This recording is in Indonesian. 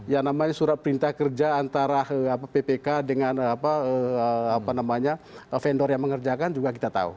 yang namanya surat perintah kerja antara ppk dengan vendor yang mengerjakan juga kita tahu